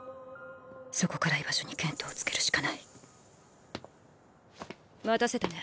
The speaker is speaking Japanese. そこから居場所に見当をつけるしかない待たせたね。